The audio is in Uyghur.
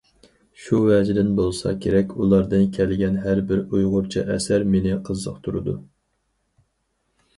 شۇ ۋەجىدىن بولسا كېرەك، ئۇلاردىن كەلگەن ھەر بىر ئۇيغۇرچە ئەسەر مېنى قىزىقتۇرىدۇ.